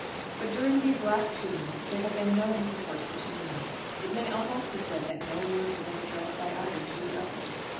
But during these last two months there had been no intercourse between them. It may almost be said that no word had been addressed by either to the other.